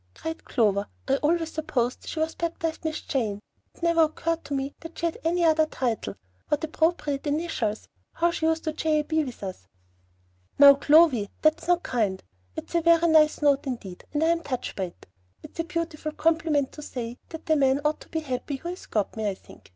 cried Clover. "I always supposed she was baptized 'Miss Jane.' It never occurred to me that she had any other title. What appropriate initials! How she used to J.A.B. with us!" "Now, Clovy, that's not kind. It's a very nice note indeed, and I am touched by it. It's a beautiful compliment to say that the man ought to be happy who has got me, I think.